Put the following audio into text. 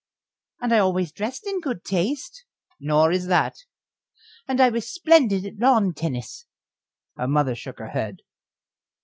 "And I always dressed in good taste." "Nor is that." "And I was splendid at lawn tennis." Her mother shook her head.